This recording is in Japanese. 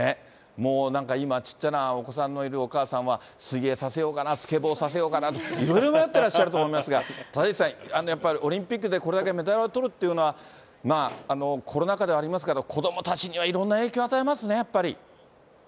もうなんか今、ちっちゃなお子さんのいるお母さんは、水泳させようかな、スケボーさせようかなって、いろいろ迷ってらっしゃると思いますが、立石さん、やっぱりオリンピックでこれだけメダルをとるっていうのは、コロナ禍ではありますけれども、子どもたちにはいろんな影響を与えますね、やっぱり。